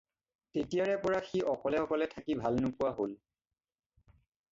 তেতিয়াৰে পৰা সি অকলে অকলে থাকি ভাল নোপোৱা হ'ল।